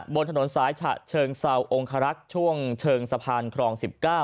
บนถนนสายฉะเชิงเซาองคารักษ์ช่วงเชิงสะพานครอง๑๙